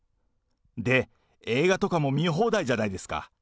で、映画とかも見放題じゃないですか。